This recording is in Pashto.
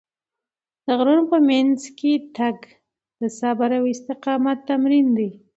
د غرونو په منځ کې تګ د صبر او استقامت تمرین دی.